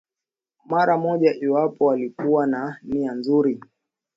mara moja iwapo walikuwa na nia nzuri